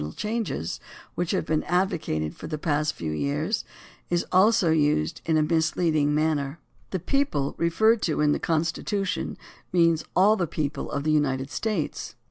COMPULSORY INITIATIVE AND REFERENDUM 89 changes which have been advocated for the last few yearS; is also used in a misleading manner. The "people" referred to in the Constitution means all the people of the United States.